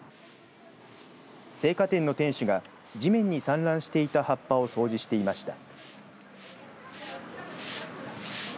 製菓店の店主が地面に散乱していた葉っぱを掃除していました。